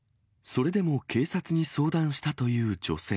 それでも警察に相談したという女性。